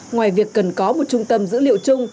ngoài việc cần có một trung tâm dữ liệu chung